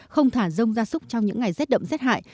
không thả rông ra xúc trong những ngày z đậm z hại